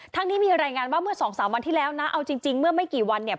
นี้มีรายงานว่าเมื่อสองสามวันที่แล้วนะเอาจริงเมื่อไม่กี่วันเนี่ย